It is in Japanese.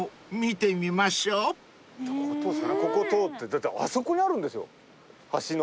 だってあそこにあるんですよ橋の。